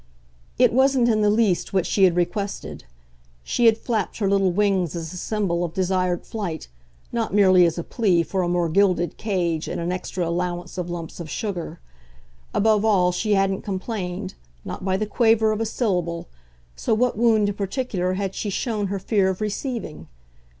It wasn't in the least what she had requested. She had flapped her little wings as a symbol of desired flight, not merely as a plea for a more gilded cage and an extra allowance of lumps of sugar. Above all she hadn't complained, not by the quaver of a syllable so what wound in particular had she shown her fear of receiving?